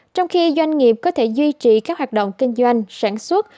trong khi doanh nghiệp có thể duy trì các hoạt động kinh doanh sản xuất